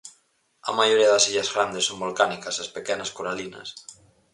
A maioría das illas grandes son volcánicas e as pequenas, coralinas.